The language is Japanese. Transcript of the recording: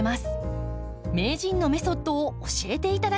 名人のメソッドを教えていただきましょう！